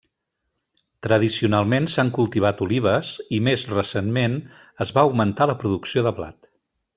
Tradicionalment s'han cultivat olives i més recentment es va augmentar la producció de blat.